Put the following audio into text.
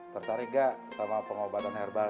tertarik gak sama pengobatan herbal